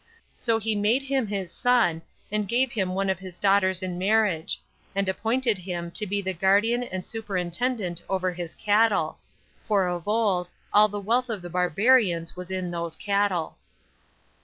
So he made him his son, and gave him one of his daughters in marriage; and appointed him to be the guardian and superintendent over his cattle; for of old, all the wealth of the barbarians was in those cattle.